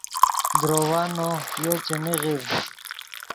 درووّا نو یو چے نیغڤڈ